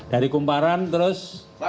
dari kumparan terus